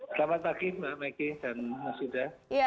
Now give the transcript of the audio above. selamat pagi mbak megi dan mas yuda